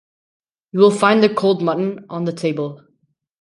You will find the cold mutton on the table.